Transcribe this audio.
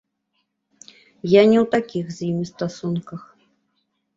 Я не ў такіх з імі стасунках.